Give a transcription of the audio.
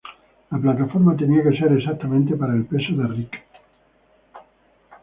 La plataforma tenía que ser exactamente para el peso de Ric.